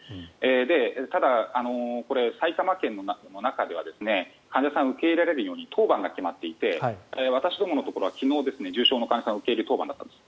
ただ、埼玉県の中では患者さんを受け入れられるように当番が決まっていて私どものところは昨日、重症の患者さんを受け入れ当番だったんです。